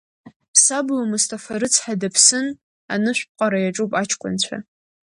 Сабуа Мысҭафа рыцҳа дыԥсын анышәԥҟара иаҿуп аҷкәынцәа.